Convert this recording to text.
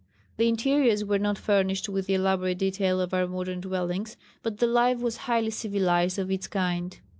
The interiors were not furnished with the elaborate detail of our modern dwellings, but the life was highly civilized of its kind.